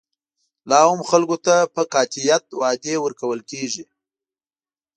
لا هم خلکو ته په قاطعیت وعدې ورکول کېږي.